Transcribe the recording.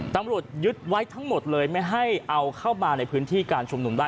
ตำรวจยึดไว้ทั้งหมดเลยไม่ให้เอาเข้ามาในพื้นที่การชุมนุมได้